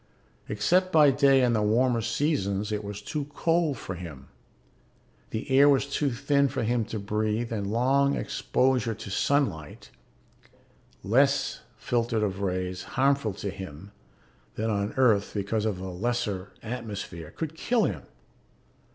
Except by day in the warmer seasons it was too cold for him. The air was too thin for him to breathe and long exposure to sunlight less filtered of rays harmful to him than on Earth because of the lesser atmosphere could kill him.